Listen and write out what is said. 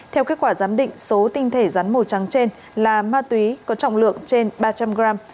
theo kết quả giám định số tinh thể rắn màu trắng trên là ma túy có trọng lượng trên ba trăm linh gram